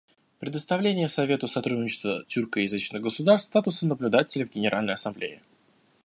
Предоставление Совету сотрудничества тюркоязычных государств статуса наблюдателя в Генеральной Ассамблее.